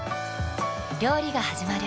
料理がはじまる。